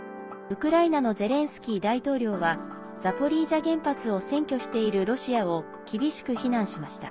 ウクライナのゼレンスキー大統領はザポリージャ原発を占拠しているロシアを厳しく非難しました。